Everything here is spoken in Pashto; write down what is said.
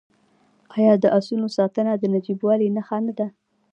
آیا د اسونو ساتنه د نجیبوالي نښه نه ده؟